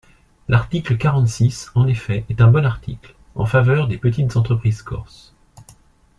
L’article quarante-six, en effet, est un bon article, en faveur des petites entreprises corses.